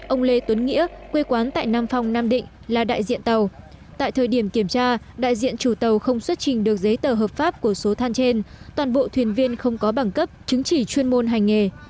ông lê tuấn nghĩa quê quán tại nam phòng nam định là đại diện tàu tại thời điểm kiểm tra đại diện chủ tàu không xuất trình được giấy tờ hợp pháp của số than trên toàn bộ thuyền viên không có bảng cấp chứng chỉ chuyên môn hành nghề